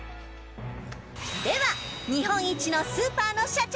では、日本一のスーパーの社長